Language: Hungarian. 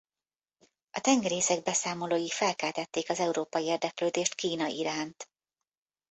A tengerészek beszámolói felkeltették az európai érdeklődést Kína iránt.